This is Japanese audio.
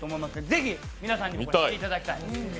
ぜひ皆さんにも知っていただきたい。